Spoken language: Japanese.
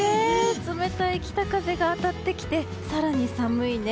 冷たい北風が当たってきて更に寒いね。